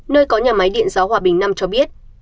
nơi có nhà máy điện gió hòa bình năm cho biết